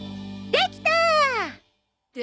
できたー！